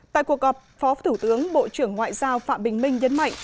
tại cuộc gặp phó thủ tướng bộ trưởng ngoại giao phạm bình minh nhấn mạnh